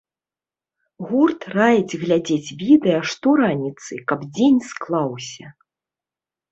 Гурт раіць глядзець відэа штораніцы, каб дзень склаўся!